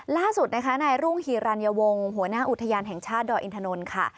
ล่าสุดนะคะนายรุ่งฮีรัญวงศ์หัวหน้าอุทยานแห่งชาติดอยอินทนนท์ค่ะ